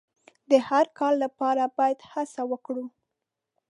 د هر کار لپاره باید هڅه وکړو.